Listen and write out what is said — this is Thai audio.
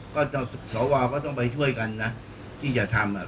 ก็สวก็ต้องไปช่วยกันนะที่จะทำอ่ะ